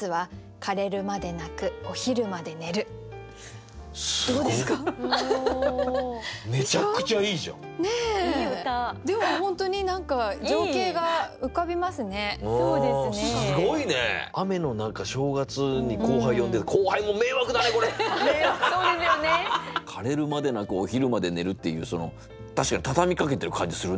「枯れるまで泣くお昼まで寝る」っていう確かに畳みかけてる感じするね。